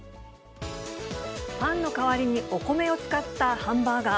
パンの代わりにお米を使ったハンバーガー。